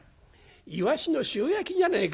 イワシの塩焼きじゃねえか。